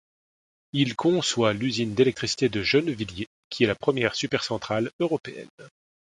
Il conçoit l'usine d'électricité de Gennevilliers, qui est la première supercentrale européenne.